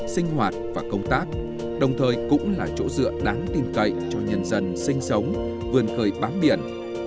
sinh hoạt và công tác đồng thời cũng là chỗ dựa đáng tin cậy cho nhân dân sinh sống vươn khởi bám biển